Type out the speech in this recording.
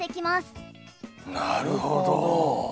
なるほど。